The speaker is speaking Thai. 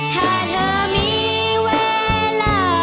ถ้าเธอมีเวลา